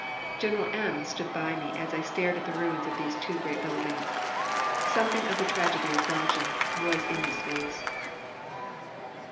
General M stood by me as I stared at the ruins of these two great buildings. Something of the tragedy of Belgium was in his face.